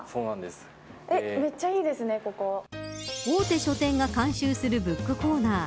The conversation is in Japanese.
大手書店が監修するブックコーナー。